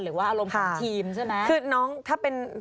หรือว่าอารมณ์ของทีมใช่ไหมคือน้องถ้าเป็น